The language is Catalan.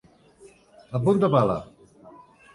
A punta pala.